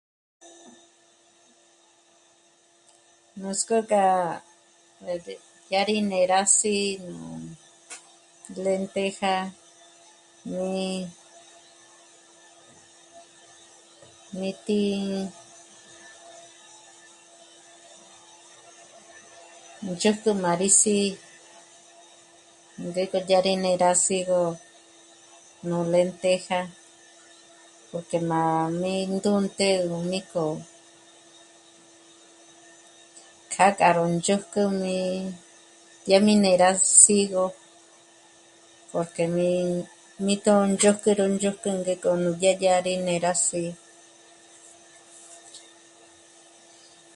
Nuts'k'ó gá 'ät'ä... yá rí né'e rá sí'i nú lenteja ñí... nít'i, nú ndzhójk'ü má rí sí'i ngék'o dyà rí né'e gá sí'igö nú lenteja porque má mí ndǔnt'egö mí k'o... kájka ró ndzójk'ü mí... dyà rí né'e rá sí'igö porque mí tóndzhójk'ü, ró ndzhójk'ü ngéko nú dyé dyà rí né'e rá sí'i